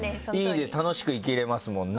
楽しく生きられますもんね。